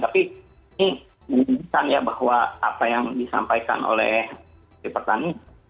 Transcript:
tapi ini menunjukkan ya bahwa apa yang disampaikan oleh petani